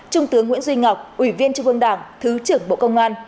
trung tướng nguyễn duy ngọc ủy viên trung ương đảng thứ trưởng bộ công an